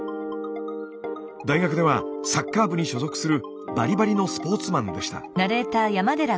大学ではサッカー部に所属するバリバリのスポーツマンでした。